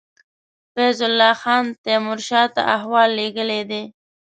فیض الله خان تېمور شاه ته احوال لېږلی دی.